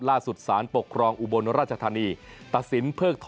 ล่าสุดสารปกครองอุบลราชธานีตัดสินเพิกถอน